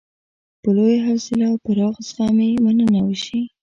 په لویه حوصله او پراخ زغم یې مننه وشي.